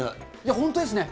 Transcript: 本当ですね。